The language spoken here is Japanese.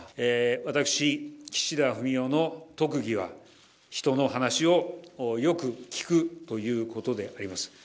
私、岸田文雄の特技は、人の話をよく聞くということであります。